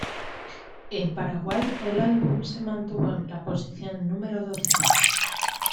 En Paraguay el álbum se mantuvo en la posición número doce.